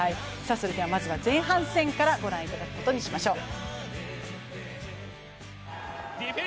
まずは前半戦からご覧いただくことにしましょう。